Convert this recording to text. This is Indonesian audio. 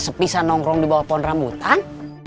sepisa nongkrong di bawah pohon rambutan